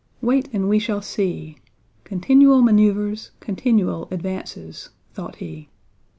Wait and we shall see! Continual maneuvers, continual advances!" thought he.